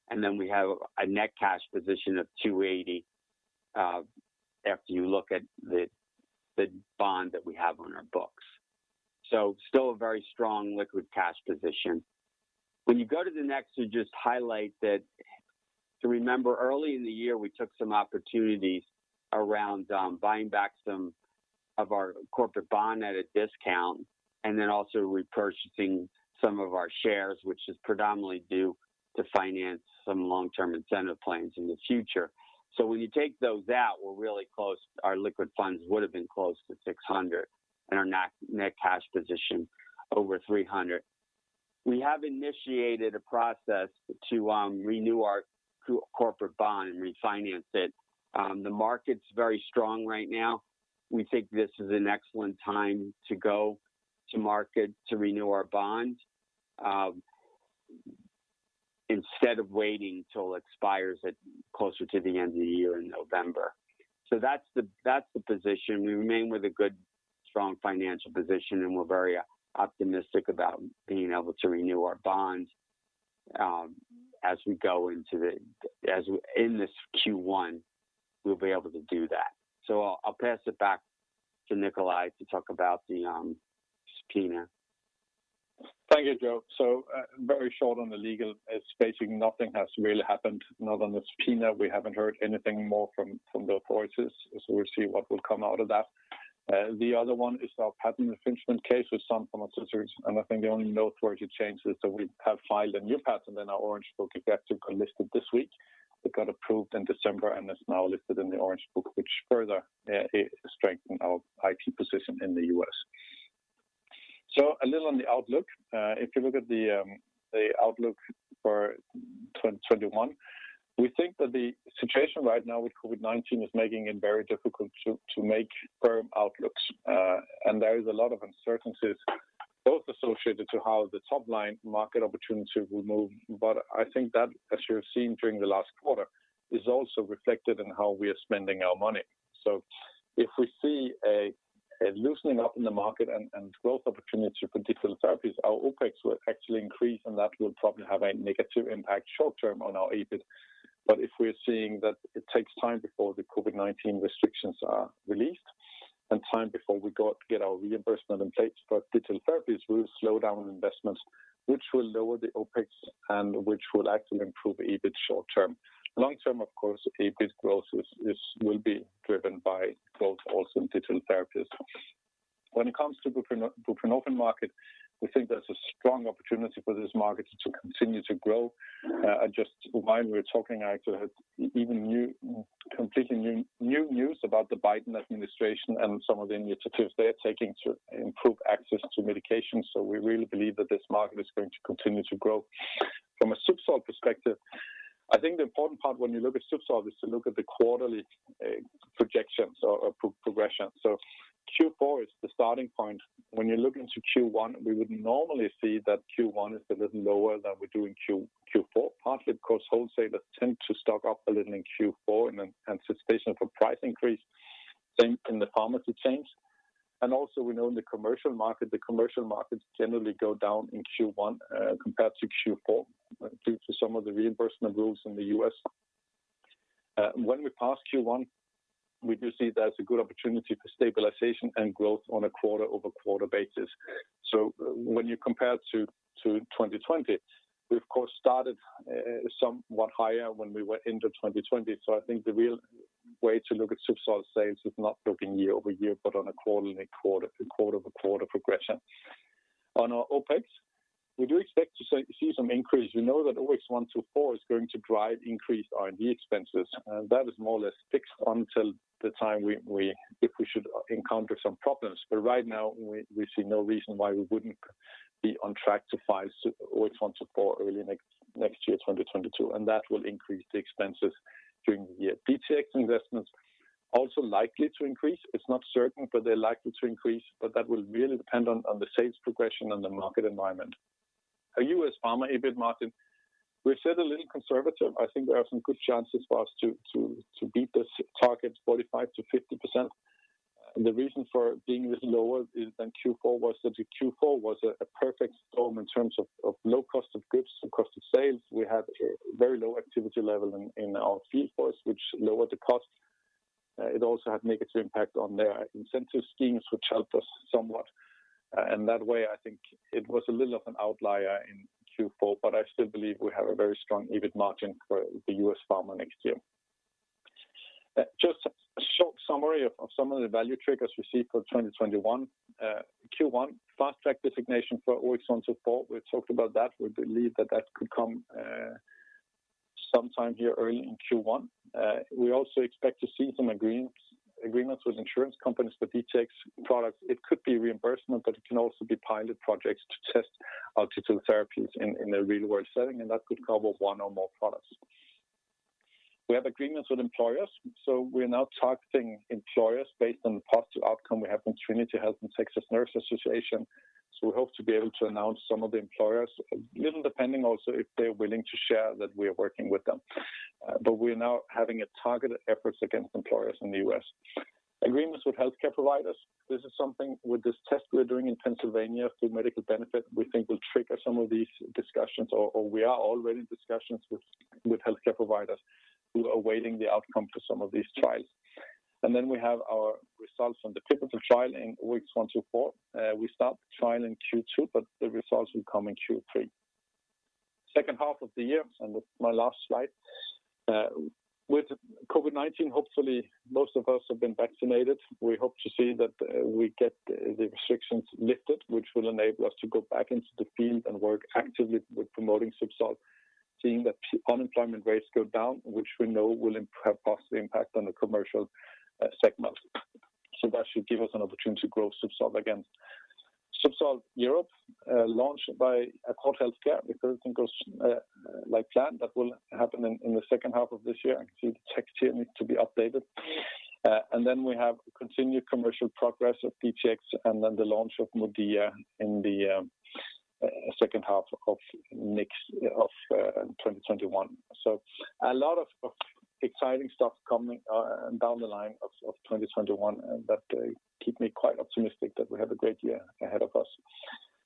and we have a net cash position of 280 million after you look at the bond that we have on our books. Still a very strong liquid cash position. When you go to the next, to just highlight that to remember early in the year, we took some opportunities around buying back some of our corporate bond at a discount, also repurchasing some of our shares, which is predominantly due to finance some long-term incentive plans in the future. When you take those out, our liquid funds would've been close to 600 million and our net cash position over 300 million. We have initiated a process to renew our corporate bond and refinance it. The market's very strong right now. We think this is an excellent time to go to market to renew our bond, instead of waiting till it expires at closer to the end of the year in November. That's the position. We remain with a good, strong financial position, and we're very optimistic about being able to renew our bonds in this Q1, we'll be able to do that. I'll pass it back to Nikolaj to talk about the subpoena. Thank you, Joe. Very short on the legal. It's basically nothing has really happened. Not on the subpoena, we haven't heard anything more from Bill Forbes, so we'll see what will come out of that. The other one is our patent infringement case with Sun Pharmaceutical, and I think the only noteworthy change is that we have filed a new patent in our Orange Book that got listed this week. It got approved in December and is now listed in the Orange Book, which further strengthened our IP position in the U.S. A little on the outlook. If you look at the outlook for 2021, we think that the situation right now with COVID-19 is making it very difficult to make firm outlooks. There is a lot of uncertainties both associated to how the top-line market opportunity will move. I think that, as you have seen during the last quarter, is also reflected in how we are spending our money. If we see a loosening up in the market and growth opportunity for digital therapies, our OpEx will actually increase, and that will probably have a negative impact short term on our EBIT. If we're seeing that it takes time before the COVID-19 restrictions are released and time before we go out to get our reimbursement in place for digital therapies, we'll slow down investments, which will lower the OpEx and which will actually improve EBIT short term. Long term, of course, EBIT growth will be driven by growth also in digital therapies. When it comes to buprenorphine market, we think there's a strong opportunity for this market to continue to grow. Just while we're talking, I actually had even completely new news about the Biden administration and some of the initiatives they're taking to improve access to medications. We really believe that this market is going to continue to grow. From a ZUBSOLV perspective, I think the important part when you look at ZUBSOLV is to look at the quarterly projections or progression. Q4 is the starting point. When you look into Q1, we would normally see that Q1 is a little lower than we do in Q4, partly because wholesalers tend to stock up a little in Q4 in anticipation of a price increase same in the pharmacy chains. Also we know in the commercial market, the commercial markets generally go down in Q1 compared to Q4 due to some of the reimbursement rules in the U.S. When we pass Q1, we do see there's a good opportunity for stabilization and growth on a quarter-over-quarter basis. When you compare to 2020, we of course started somewhat higher when we were into 2020. I think the real way to look at ZUBSOLV sales is not looking year-over-year, but on a quarter-over-quarter progression. On our OpEx, we do expect to see some increase. We know that OX124 is going to drive increased R&D expenses, and that is more or less fixed until the time if we should encounter some problems. Right now, we see no reason why we wouldn't be on track to file OX124 early next year, 2022, and that will increase the expenses during the year. DTx investments also likely to increase. It's not certain, but they're likely to increase, but that will really depend on the sales progression and the market environment. Our U.S. pharma EBIT margin, we're still a little conservative. I think there are some good chances for us to beat this target 45%-50%. The reason for being a little lower is than Q4 was that the Q4 was a perfect storm in terms of low cost of goods, cost of sales. We had a very low activity level in our field force, which lowered the cost. It also had negative impact on their incentive schemes, which helped us somewhat. In that way, I think it was a little of an outlier in Q4, but I still believe we have a very strong EBIT margin for the U.S. pharma next year. Just a short summary of some of the value triggers we see for 2021. Q1, Fast Track designation for OX124. We talked about that. We believe that that could come sometime here early in Q1. We also expect to see some agreements with insurance companies for DTx products. It could be reimbursement, but it can also be pilot projects to test our digital therapies in a real-world setting, and that could cover one or more products. We have agreements with employers. We are now targeting employers based on the positive outcome we have from Trinity Health and Texas Nurses Association. We hope to be able to announce some of the employers, a little depending also if they're willing to share that we are working with them. We are now having targeted efforts against employers in the U.S. Agreements with healthcare providers. This is something with this test we're doing in Pennsylvania through medical benefit, we think will trigger some of these discussions or we are already in discussions with healthcare providers who are awaiting the outcome to some of these trials. We have our results from the pivotal trial in OX124. We start the trial in Q2, but the results will come in Q3. Second half of the year, and with my last slide. With COVID-19, hopefully, most of us have been vaccinated. We hope to see that we get the restrictions lifted, which will enable us to go back into the field and work actively with promoting ZUBSOLV, seeing that unemployment rates go down, which we know will have positive impact on the commercial segment. That should give us an opportunity to grow ZUBSOLV again. ZUBSOLV Europe, launched by Accord Healthcare. If everything goes like planned, that will happen in the second half of this year. I can see the text here needs to be updated. We have continued commercial progress of DTx and then the launch of MODIA in the second half of 2021. A lot of exciting stuff coming down the line of 2021 that keep me quite optimistic that we have a great year ahead of us.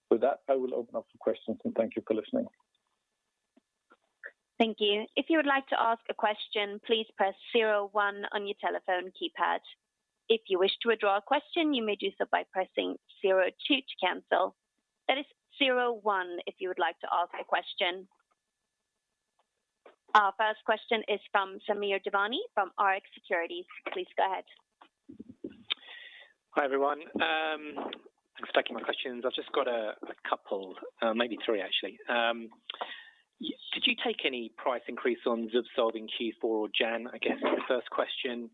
With that, I will open up for questions, and thank you for listening. Thank you. If you would like to ask a question please press zero one on your telephone keypad. If you wish to withdraw a question, please press zero two to cancel. Our first question is from Samir Devani from Rx Securities. Please go ahead. Hi, everyone. Thanks for taking my questions. I've just got a couple, maybe three, actually. Did you take any price increase on ZUBSOLV in Q4 or January, I guess, is the first question?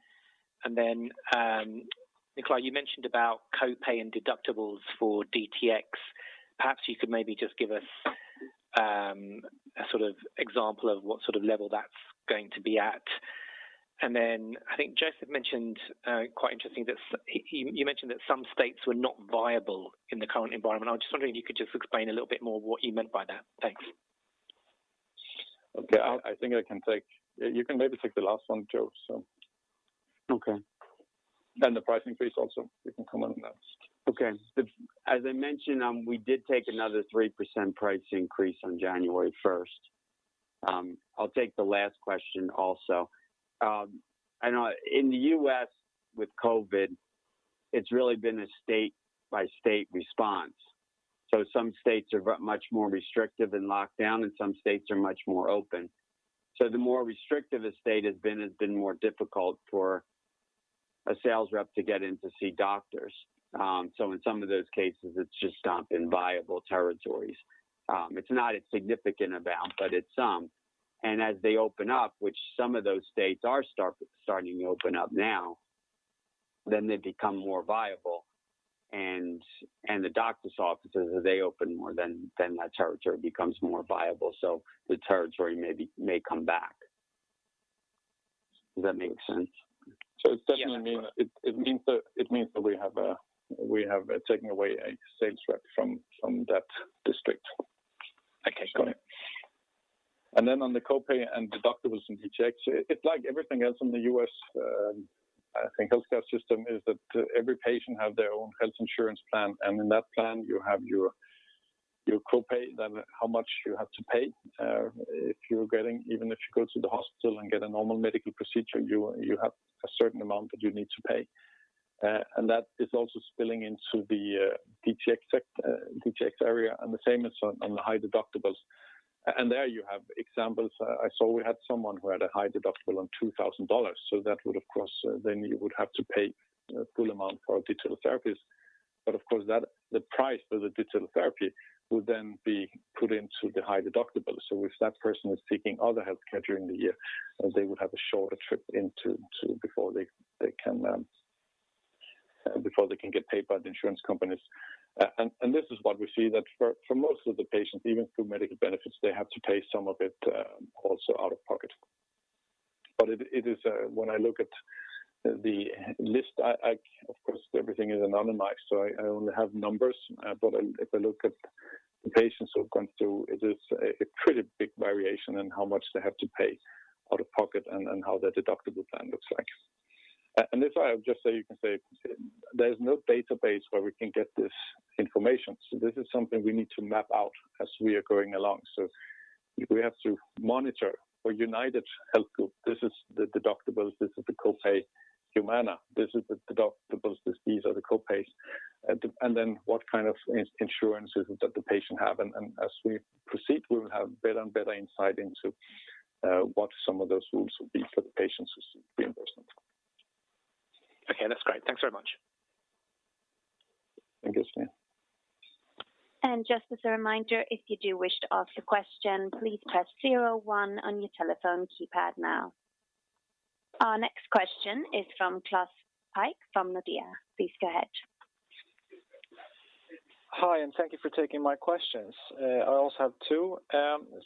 Nikolaj, you mentioned about co-pay and deductibles for DTx. Perhaps you could maybe just give us a sort of example of what sort of level that's going to be at. I think Joe mentioned, quite interesting that you mentioned that some states were not viable in the current environment. I was just wondering if you could just explain a little bit more what you meant by that. Thanks. Okay. You can maybe take the last one, Joe. Okay. The pricing piece also. You can comment on that. Okay. As I mentioned, we did take another 3% price increase on January 1st. I'll take the last question also. I know in the U.S. with COVID-19, it's really been a state-by-state response. Some states are much more restrictive in lockdown, and some states are much more open. The more restrictive a state has been, has been more difficult for a sales rep to get in to see doctors. In some of those cases, it's just not been viable territories. It's not a significant amount, but it's some. As they open up, which some of those states are starting to open up now, then they become more viable. The doctor's offices, as they open more, then that territory becomes more viable. The territory may come back. Does that make sense? It definitely means that we have taken away a sales rep from that district. Okay. Got it. Then on the co-pay and deductibles in DTx, it's like everything else in the U.S. healthcare system is that every patient have their own health insurance plan. In that plan you have your co-pay, then how much you have to pay. Even if you go to the hospital and get a normal medical procedure, you have a certain amount that you need to pay. That is also spilling into the DTx area, and the same is on the high deductibles. There you have examples. I saw we had someone who had a high deductible on $2,000, that would, of course, then you would have to pay full amount for our digital therapies. Of course, the price for the digital therapy would then be put into the high deductible. If that person was seeking other healthcare during the year, they would have a shorter trip into before they can get paid by the insurance companies. This is what we see that for most of the patients, even through medical benefits, they have to pay some of it also out of pocket. When I look at the list, of course, everything is anonymized, so I only have numbers. If I look at the patients who have gone through, it is a pretty big variation in how much they have to pay out of pocket and how their deductible plan looks like. If I just say, you can say there's no database where we can get this information, this is something we need to map out as we are going along. We have to monitor for UnitedHealth Group. This is the deductibles, this is the copay. Humana, this is the deductibles, these are the copays. What kind of insurances that the patient have. As we proceed, we will have better and better insight into what some of those rules will be for the patient's reimbursement. Okay, that's great. Thanks very much. Thank you, Samir. Our next question is from Klas Pyk from Nordea. Please go ahead. Hi, thank you for taking my questions. I also have two.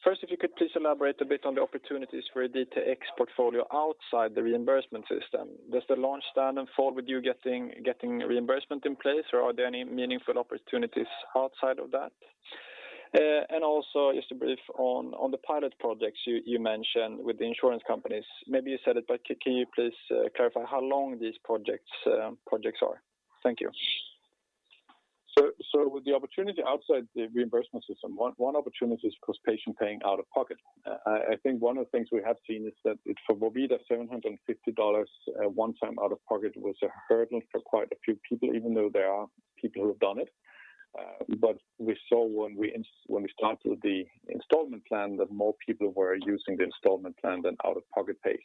First, if you could please elaborate a bit on the opportunities for a DTx portfolio outside the reimbursement system. Does the launch stand and fall with you getting reimbursement in place, or are there any meaningful opportunities outside of that? Also, just briefly on the pilot projects you mentioned with the insurance companies. Maybe you said it, can you please clarify how long these projects are? Thank you. With the opportunity outside the reimbursement system, one opportunity is, of course, patient paying out of pocket. I think one of the things we have seen is that for vorvida, SEK 750 one time out of pocket was a hurdle for quite a few people, even though there are people who have done it. We saw when we started the installment plan, that more people were using the installment plan than out-of-pocket pay.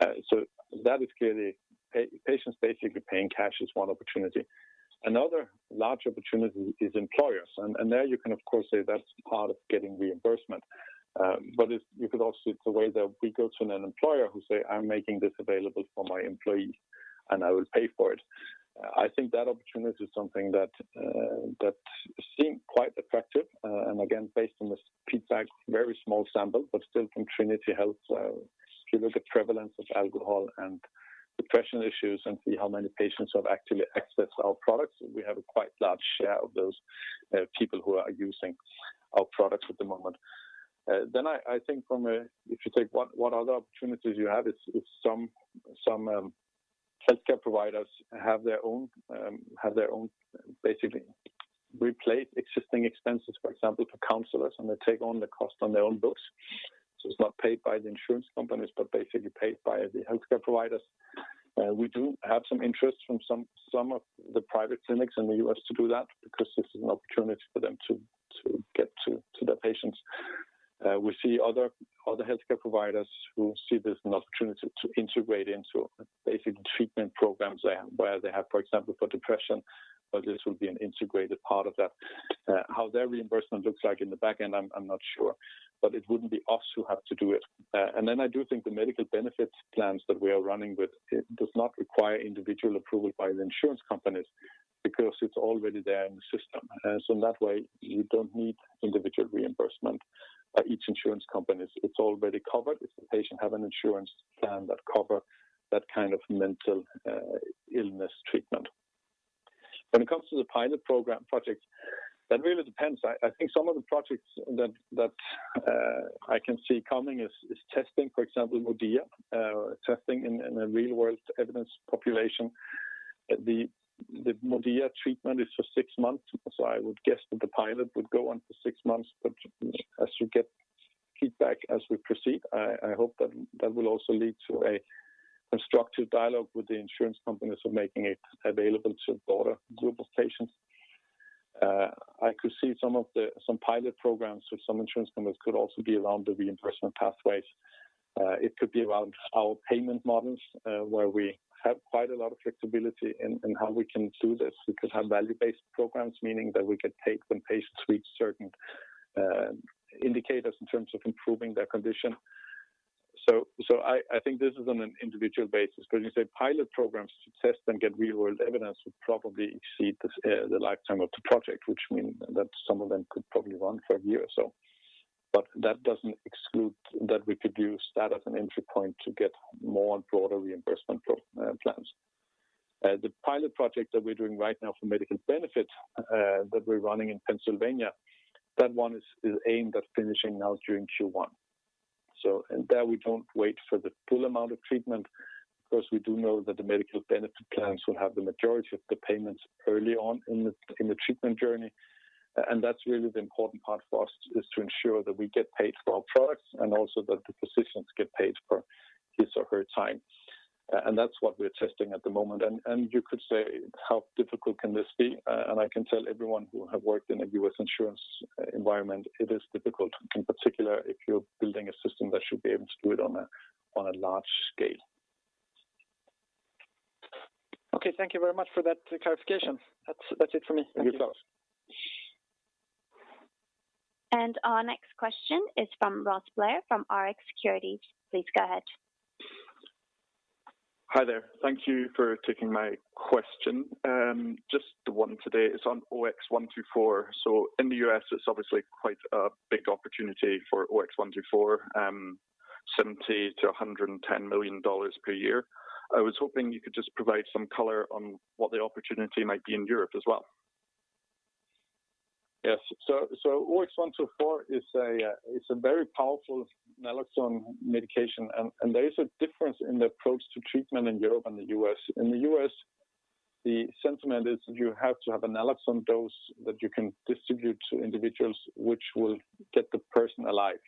That is clearly patients basically paying cash is one opportunity. Another large opportunity is employers. There you can, of course, say that's part of getting reimbursement. You could also say it's a way that we go to an employer who say, "I'm making this available for my employees, and I will pay for it." I think that opportunity is something that seemed quite attractive. Based on this feedback, very small sample, but still from Trinity Health, if you look at prevalence of alcohol and depression issues and see how many patients have actually accessed our products, we have a quite large share of those people who are using our products at the moment. I think if you take what other opportunities you have is some healthcare providers have their own basically replace existing expenses, for example, for counselors, and they take on the cost on their own books. It's not paid by the insurance companies, but basically paid by the healthcare providers. We do have some interest from some of the private clinics in the U.S. to do that because this is an opportunity for them to get to the patients. We see other healthcare providers who see this as an opportunity to integrate into basic treatment programs where they have, for example, for depression, but this will be an integrated part of that. How their reimbursement looks like in the back end, I'm not sure, but it wouldn't be us who have to do it. I do think the medical benefits plans that we are running with, it does not require individual approval by the insurance companies because it's already there in the system. In that way, you don't need individual reimbursement by each insurance company. It's already covered if the patient have an insurance plan that cover that kind of mental illness treatment. When it comes to the pilot program project, that really depends. I think some of the projects that I can see coming is testing, for example, MODIA, testing in a real world evidence population. The MODIA treatment is for six months, I would guess that the pilot would go on for six months. As we get feedback, as we proceed, I hope that will also lead to a constructive dialogue with the insurance companies of making it available to a broader group of patients. I could see some pilot programs with some insurance companies could also be around the reimbursement pathways. It could be around our payment models, where we have quite a lot of flexibility in how we can do this. We could have value-based programs, meaning that we could take when patients reach certain indicators in terms of improving their condition. I think this is on an individual basis because you say pilot programs to test and get real world evidence would probably exceed the lifetime of the project, which means that some of them could probably run for a year or so. That doesn't exclude that we could use that as an entry point to get more and broader reimbursement plans. The pilot project that we're doing right now for medical benefits that we're running in Pennsylvania, that one is aimed at finishing now during Q1. In that we don't wait for the full amount of treatment because we do know that the medical benefit plans will have the majority of the payments early on in the treatment journey. That is really the important part for us is to ensure that we get paid for our products and also that the physicians get paid for his or her time. That is what we are testing at the moment. You could say, how difficult can this be? I can tell everyone who have worked in a U.S. insurance environment, it is difficult, in particular, if you are building a system that should be able to do it on a large scale. Okay. Thank you very much for that clarification. That's it for me. Thank you. Our next question is from Ross Blair from Rx Securities. Please go ahead. Hi there. Thank you for taking my question. Just the one today is on OX124. In the U.S. it's obviously quite a big opportunity for OX124, $70 million-$110 million per year. I was hoping you could just provide some color on what the opportunity might be in Europe as well. Yes. OX124 is a very powerful naloxone medication, and there is a difference in the approach to treatment in Europe and the U.S. In the U.S., the sentiment is you have to have a naloxone dose that you can distribute to individuals, which will get the person alive.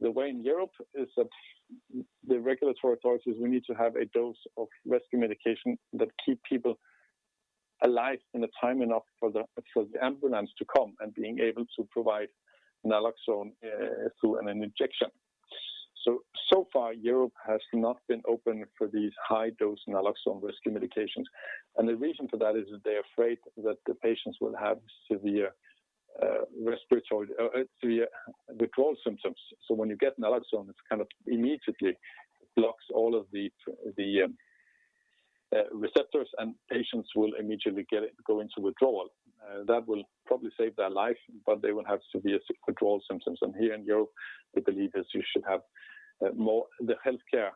The way in Europe is that the regulatory authorities, we need to have a dose of rescue medication that keep people alive in time enough for the ambulance to come and being able to provide naloxone through an injection. So far Europe has not been open for these high-dose naloxone rescue medications. The reason for that is that they're afraid that the patients will have severe withdrawal symptoms. When you get naloxone, it kind of immediately blocks all of the receptors and patients will immediately go into withdrawal. That will probably save their life, but they will have severe withdrawal symptoms. Here in Europe, the belief is the healthcare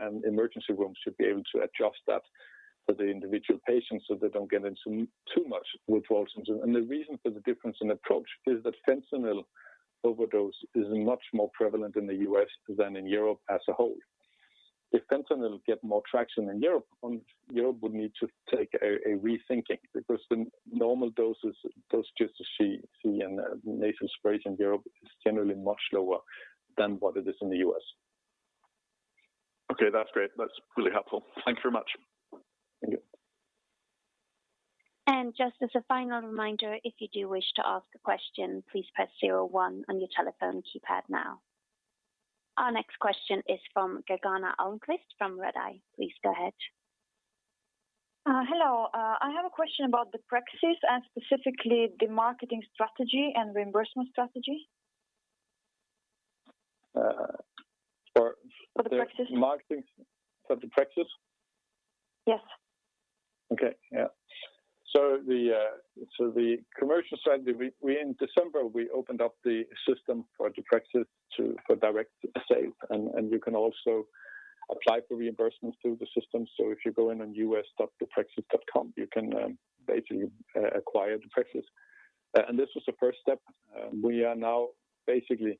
and emergency rooms should be able to adjust that for the individual patients so they don't get into too much withdrawal symptoms. The reason for the difference in approach is that fentanyl overdose is much more prevalent in the U.S. than in Europe as a whole. If fentanyl get more traction in Europe would need to take a rethinking, because the normal dose you see in the nasal spray in Europe is generally much lower than what it is in the U.S. Okay. That's great. That's really helpful. Thank you very much. Thank you. Just as a final reminder, if you do wish to ask a question, please press zero one on your telephone keypad now. Our next question is from Gergana Almquist from Redeye. Please go ahead. Hello. I have a question about deprexis, and specifically the marketing strategy and reimbursement strategy. For? For deprexis. The marketing for deprexis? Yes. Okay. Yeah. In December, we opened up the system for deprexis for direct sale, and you can also apply for reimbursements through the system. If you go in on us.deprexis.com, you can basically acquire deprexis. This was the first step. We are now basically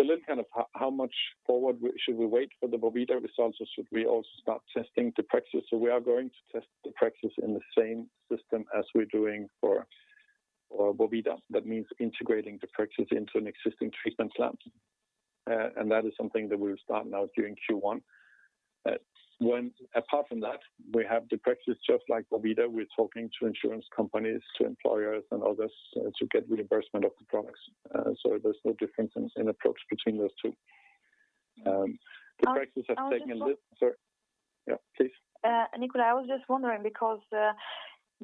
a little kind of how much forward should we wait for the vorvida results, or should we also start testing deprexis? We are going to test deprexis in the same system as we're doing for vorvida. That means integrating deprexis into an existing treatment lab. That is something that we'll start now during Q1. Apart from that, we have deprexis, just like vorvida, we're talking to insurance companies, to employers and others to get reimbursement of the products. There's no difference in approach between those two, deprexis have taken a little. I was just wondering. Sorry. Yeah, please. Nikolaj, I was just wondering because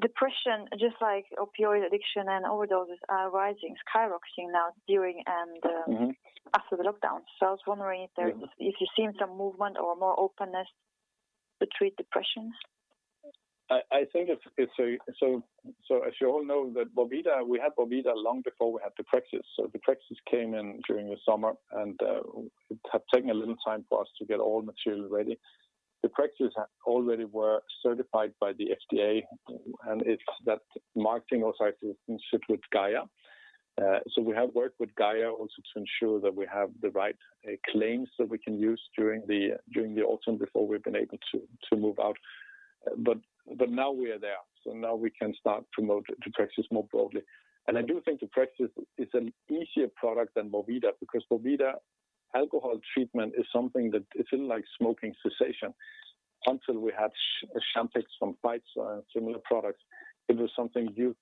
depression, just like opioid addiction and overdoses are rising, skyrocketing now during and after the lockdown. I was wondering if you're seeing some movement or more openness to treat depression. I think as you all know that we had vorvida long before we had deprexis. deprexis came in during the summer, and it had taken a little time for us to get all material ready. deprexis already were certified by the FDA, and it's that marketing also has to institute GAIA. We have worked with GAIA also to ensure that we have the right claims that we can use during the autumn before we've been able to move out. Now we are there, now we can start promote deprexis more broadly. I do think deprexis is an easier product than vorvida, because vorvida alcohol treatment is something that it's a little like smoking cessation. Until we had Champix from Pfizer and similar products, it was something you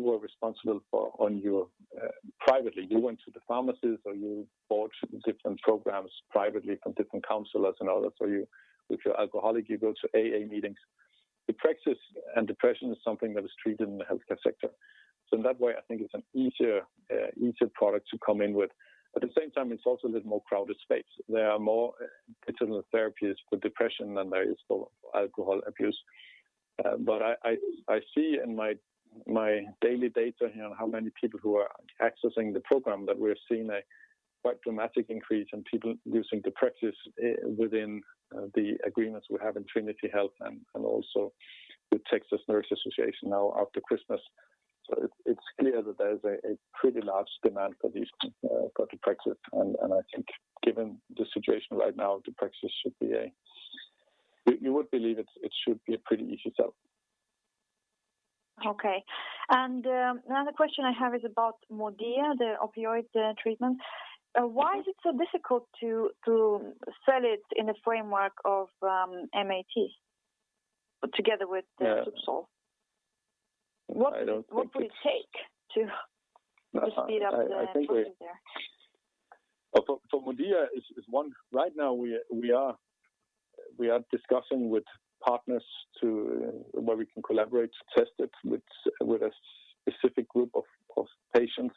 were responsible for on your own privately. You went to the pharmacist or you bought different programs privately from different counselors and others, or if you're alcoholic, you go to A.A. meetings. deprexis and depression is something that is treated in the healthcare sector. In that way, I think it's an easier product to come in with. At the same time, it's also a little more crowded space. There are more internal therapies for depression than there is for alcohol abuse. I see in my daily data here on how many people who are accessing the program, that we're seeing a quite dramatic increase in people using deprexis within the agreements we have in Trinity Health and also with Texas Nurses Association now after Christmas. It's clear that there's a pretty large demand for deprexis, and I think given the situation right now, We would believe it should be a pretty easy sell. Okay. Another question I have is about MODIA, the opioid treatment. Why is it so difficult to sell it in the framework of MAT together with ZUBSOLV? I don't think it's. What would it take to speed up the process there? For MODIA, right now, we are discussing with partners where we can collaborate to test it with a specific group of patients.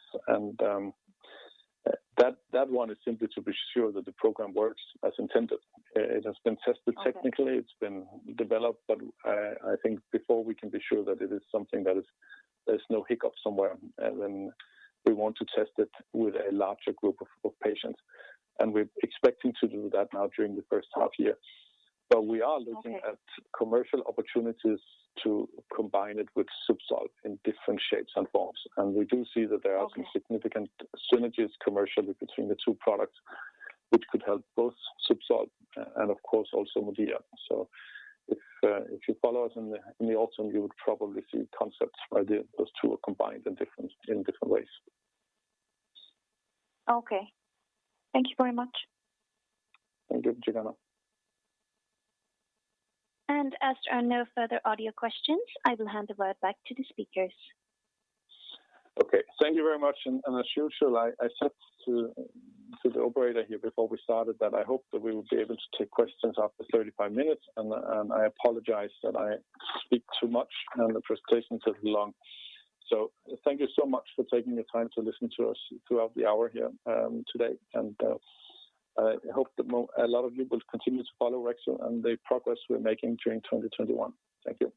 That one is simply to be sure that the program works as intended. It has been tested technically. Okay. It's been developed. I think before we can be sure that it is something that there's no hiccup somewhere, then we want to test it with a larger group of patients. We're expecting to do that now during the first half year. Okay. We are looking at commercial opportunities to combine it with ZUBSOLV in different shapes and forms. Okay Some significant synergies commercially between the two products, which could help both ZUBSOLV and of course also MODIA. If you follow us in the autumn, you would probably see concepts where those two are combined in different ways. Okay. Thank you very much. Thank you, Gergana. As there are no further audio questions, I will hand the word back to the speakers. Okay. Thank you very much. As usual, I said to the operator here before we started that I hope that we will be able to take questions after 35 minutes. I apologize that I speak too much and the presentation took long. Thank you so much for taking the time to listen to us throughout the hour here today. I hope that a lot of you will continue to follow Orexo and the progress we're making during 2021. Thank you.